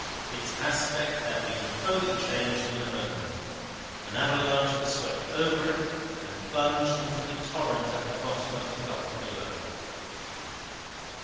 Its aspect had been wholly changed in a moment. An avalanche had swept over it, and plunged into the torrent at the bottom of the gulf below.